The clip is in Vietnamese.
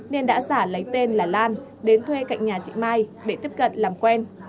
nên đã giả lấy tên là lan đến thuê cạnh nhà chị mai để tiếp cận làm quen